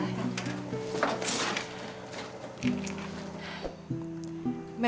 yang beli ramos